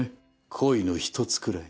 恋の一つくらい」